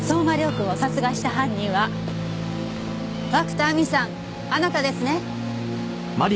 君を殺害した犯人は涌田亜美さんあなたですね？